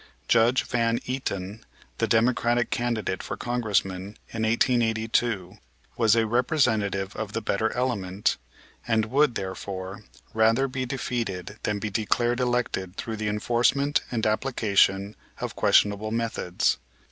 Judge Van Eaton, the Democratic candidate for Congressman in 1882, was a representative of the better element, and would, therefore, rather be defeated than be declared elected through the enforcement and application of questionable methods.